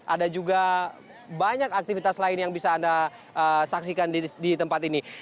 ada juga banyak aktivitas lain yang bisa anda saksikan di tempat ini